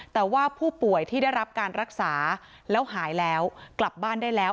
แต่ว่าผู้ป่วยที่ได้รับการรักษาแล้วหายแล้วกลับบ้านได้แล้ว